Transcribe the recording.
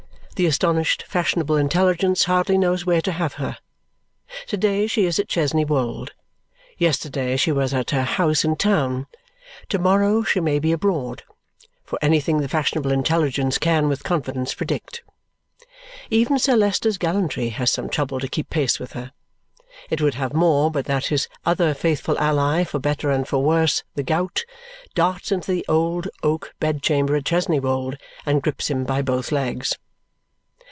The astonished fashionable intelligence hardly knows where to have her. To day she is at Chesney Wold; yesterday she was at her house in town; to morrow she may be abroad, for anything the fashionable intelligence can with confidence predict. Even Sir Leicester's gallantry has some trouble to keep pace with her. It would have more but that his other faithful ally, for better and for worse the gout darts into the old oak bed chamber at Chesney Wold and grips him by both legs.